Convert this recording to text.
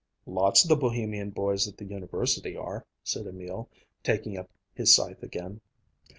"Lots of the Bohemian boys at the University are," said Emil, taking up his scythe again.